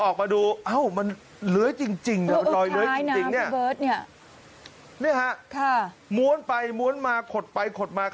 คล้ายหลอยพญานาค